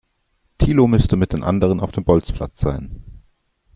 Thilo müsste mit den anderen auf dem Bolzplatz sein.